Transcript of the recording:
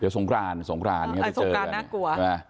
เดี๋ยวสงกรานสงกรานน่ากลัว